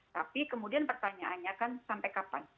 tapi kemudian pertanyaannya kan sampai kapan